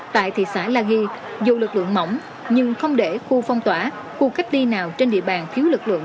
tại thị xã la ghi dù lực lượng mỏng nhưng không để khu phong tỏa khu cách ly nào trên địa bàn thiếu lực lượng